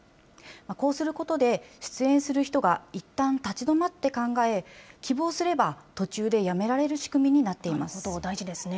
こうすることで、出演する人がいったん立ち止まって考え、希望すれば途中でやめらなるほど、大事ですね。